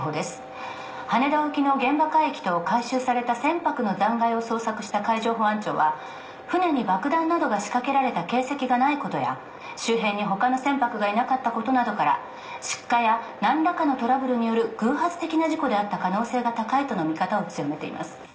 羽田沖の現場海域と回収された船舶の残骸を捜索した海上保安庁は船に爆弾などが仕掛けられた形跡がないことや周辺に他の船舶がいなかったことなどから失火や何らかのトラブルによる偶発的な事故であった可能性が高いとの見方を強めています